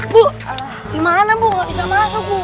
bu gimana bu nggak bisa masuk bu